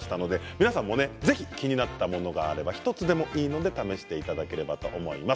皆さんもぜひ気になったものがあれば１つでもいいので試していただければと思います。